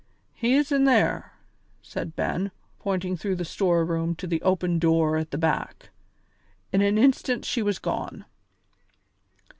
"He is in there," said Ben, pointing through the storeroom to the open door at the back. In an instant she was gone.